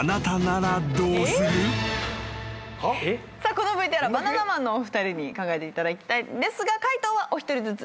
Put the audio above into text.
このＶＴＲはバナナマンのお二人に考えていただきたいんですが解答はお一人ずつ。